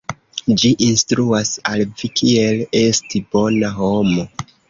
Ĝi instruas al vi kiel esti bona homo.